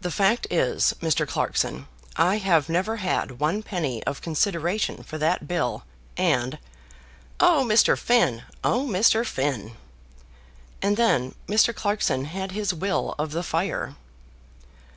"The fact is, Mr. Clarkson, I have never had one penny of consideration for that bill, and " "Oh, Mr. Finn! oh, Mr. Finn!" and then Mr. Clarkson had his will of the fire.